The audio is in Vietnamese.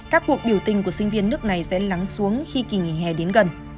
các cuộc biểu tình của sinh viên nước này sẽ lắng xuống khi kỳ nghỉ hè đến gần